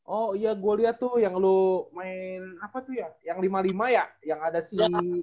oh iya gue lihat tuh yang lo main apa tuh ya yang lima lima ya yang ada si